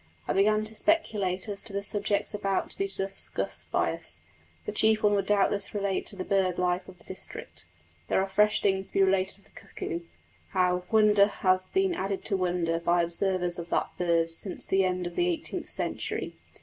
I began to speculate as to the subjects about to be discussed by us. The chief one would doubtless relate to the bird life of the district. There are fresh things to be related of the cuckoo; how "wonder has been added to wonder" by observers of that bird since the end of the eighteenth century.